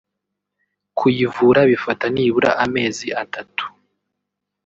kuyivura bifata nibura amezi atatu